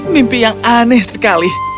mimpi yang aneh sekali